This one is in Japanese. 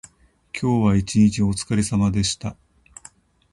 今日も一日おつかれさまでした。